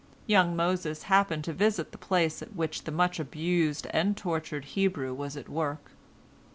Young Moses happened to visit the place at which the much abused and tortured Hebrew was at work.